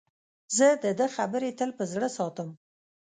زه د ده خبرې تل په زړه ساتم.